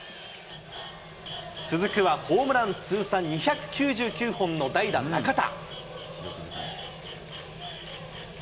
続くはホームラン通算２９９本の代打、中田。